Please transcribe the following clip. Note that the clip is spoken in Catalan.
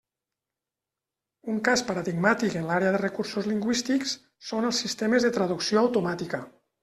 Un cas paradigmàtic en l'àrea de recursos lingüístics són els sistemes de traducció automàtica.